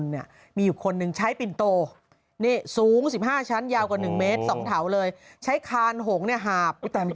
แต่เมื่อกี้มองเหมือนชิบชิบม้าเลย